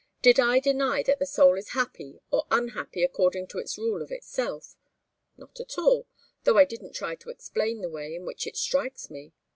Did I deny that the soul is happy or unhappy according to its rule of itself? Not at all, though I didn't try to explain the way in which it strikes me.